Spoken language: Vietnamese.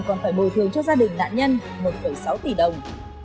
còn phải bồi thường cho gia đình nạn nhân một sáu tỷ đồng